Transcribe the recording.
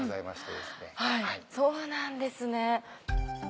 そうなんですね。